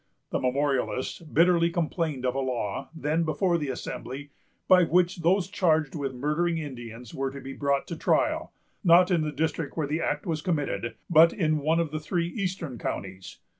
The memorialists bitterly complained of a law, then before the Assembly, by which those charged with murdering Indians were to be brought to trial, not in the district where the act was committed, but in one of the three eastern counties.